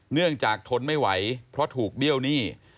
เนื่องจากทนไม่ไหวเพราะถูกเบี้ยวหนี้